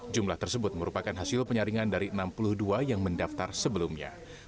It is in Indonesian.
jumlah tersebut merupakan hasil penyaringan dari enam puluh dua yang mendaftar sebelumnya